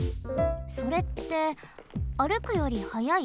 それって歩くより速い？